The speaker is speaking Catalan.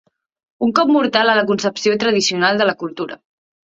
Un cop mortal a la concepció tradicional. de la cultura.